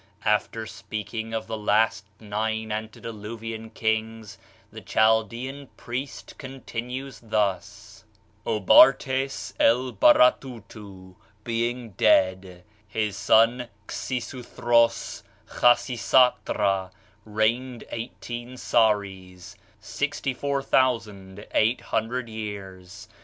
After speaking of the last nine antediluvian kings, the Chaldean priest continues thus. "Obartès Elbaratutu being dead, his son Xisuthros (Khasisatra) reigned eighteen sares (64,800 years).